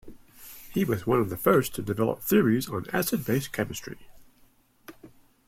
He was one of the first to develop theories on acid-base chemistry.